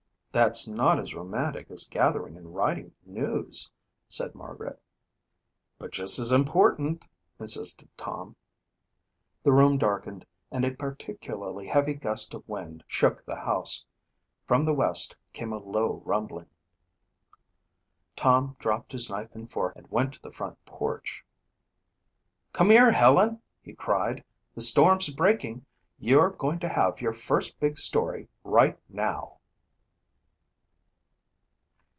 "That's not as romantic as gathering and writing news," said Margaret. "But just as important," insisted Tom. The room darkened and a particularly heavy gust of wind shook the house. From the west came a low rumbling. Tom dropped his knife and fork and went to the front porch. "Come here, Helen!" he cried. "The storm's breaking. You're going to have your first big story right now!"